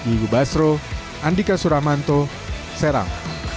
ibu basro andika suramanto serang